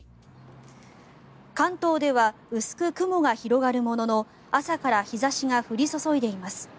関東では薄く雲が広がるものの朝から日差しが降り注いでいます。